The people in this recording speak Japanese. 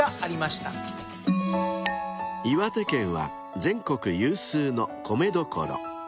［岩手県は全国有数の米どころ］